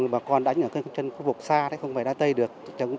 bà con đánh ở chân khu vực xa không về đá tây được